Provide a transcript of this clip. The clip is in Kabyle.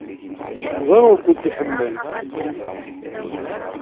Ẓriɣ ur ken-iḥemmel.